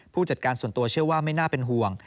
จัดการส่วนตัวเชื่อว่าไม่น่าเป็นห่วง